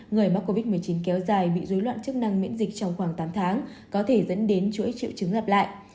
người mắc covid một mươi chín kéo dài bị dối loạn chức năng miễn dịch trong khoảng tám tháng có thể dẫn đến chuỗi triệu chứng lặp lại